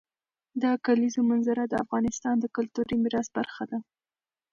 د کلیزو منظره د افغانستان د کلتوري میراث برخه ده.